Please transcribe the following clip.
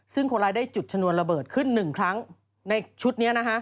ซึ่งคนร้ายได้จุดชนวนระเบิดขึ้นหนึ่งครั้งในชุดนี้นะฮะ